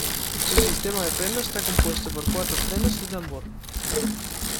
Su sistema de frenos está compuesto por cuatro frenos de tambor.